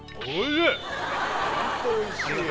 ホントおいしいよ